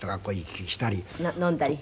飲んだり？